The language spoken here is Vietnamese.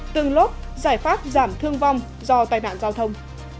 tương lốt giải pháp giảm thương vong do tai nạn giao thông